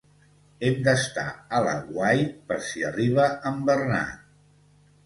Hem d'estar a l'aguait per si arriba en Bernat.